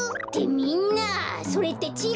みんなそれってちぃ